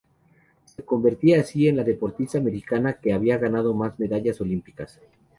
Se convertía así en la deportista americana que había ganado más medallas olímpicas.